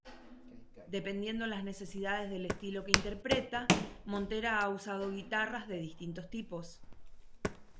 Dependiendo las necesidades del estilo que interpreta, Montera ha usado guitarras de distintos tipos.